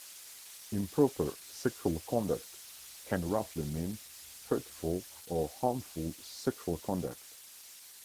Improper sexual conduct can roughly mean 'hurtful or harmful' sexual conduct.